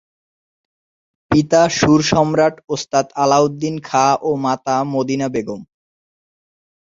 পিতা সুর সম্রাট ওস্তাদ আলাউদ্দিন খাঁ ও মাতা মদিনা বেগম।